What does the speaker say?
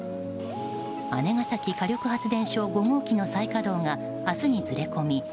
姉崎火力発電所５号機の再稼働が明日にずれ込み